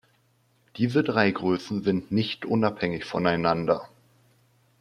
Diese drei Größen sind nicht unabhängig voneinander.